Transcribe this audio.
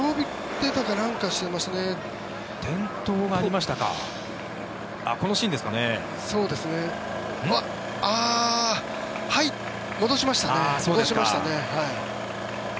ああ、戻しましたね。